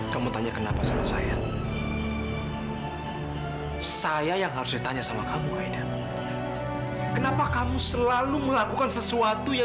sampai jumpa di video selanjutnya